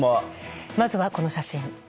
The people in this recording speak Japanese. まずはこの写真。